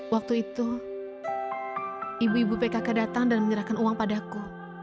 waktu itu ibu ibu pkk datang dan menyerahkan uang padaku